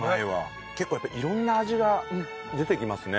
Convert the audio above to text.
結構やっぱり色んな味が出てきますね。